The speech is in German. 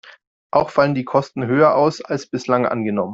Auch fallen die Kosten höher aus, als bislang angenommen.